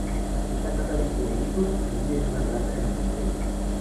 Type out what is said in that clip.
Está casada y tiene hijos, y vive en una granja en Anglesey.